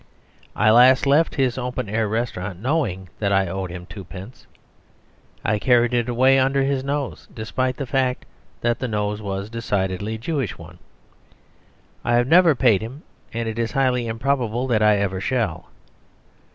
I last left his open air restaurant knowing that I owed him twopence. I carried it away under his nose, despite the fact that the nose was a decidedly Jewish one. I have never paid him, and it is highly improbable that I ever shall.